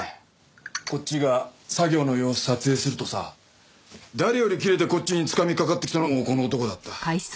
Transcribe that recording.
こっちが作業の様子撮影するとさ誰よりキレてこっちにつかみかかってきたのもこの男だった。